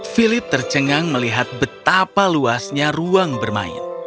philip tercengang melihat betapa luasnya ruang bermain